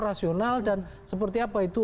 rasional dan seperti apa itu